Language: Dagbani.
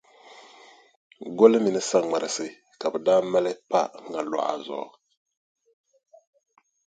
Goli mini saŋmarisi ka bɛ daa maali pa ŋa luɣa zuɣu.